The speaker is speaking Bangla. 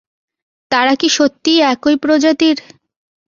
তারা কি সত্যিই একই প্রজাতির?